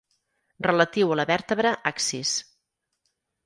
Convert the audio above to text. Relatiu a la vèrtebra axis.